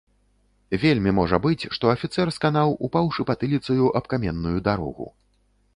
Вельмі можа быць, што афіцэр сканаў, упаўшы патыліцаю аб каменную дарогу.